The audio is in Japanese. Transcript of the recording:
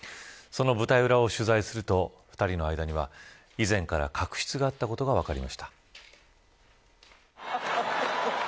その舞台裏を取材すると２人の間には以前から確執があったことが分かりました。